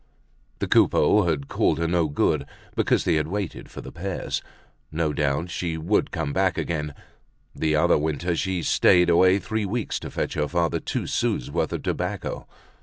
The Coupeaus had called her no good because they had waited for the pears. No doubt she would come back again. The other winter she had stayed away three weeks to fetch her father two sous' worth of tobacco.